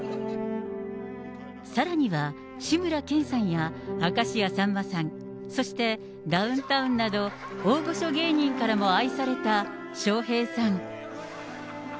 さらには志村けんさんや明石家さんまさん、そしてダウンタウンなど、大御所芸人からも愛された笑瓶さん。